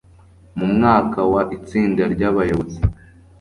mu mwaka wa itsinda ry abayobozi